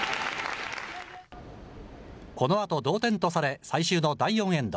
このあと同点とされ、最終の第４エンド。